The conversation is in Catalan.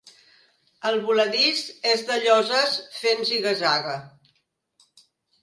El voladís és de lloses fent ziga-zaga.